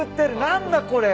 何だこれ！